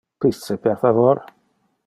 "Pisce, per favor."